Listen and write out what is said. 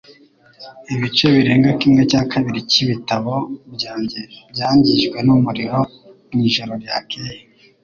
Ibice birenga kimwe cya kabiri cyibitabo byanjye byangijwe numuriro mwijoro ryakeye.